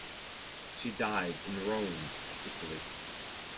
She died in Rome, Italy.